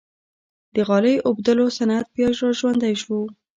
د غالۍ اوبدلو صنعت بیا ژوندی شو؟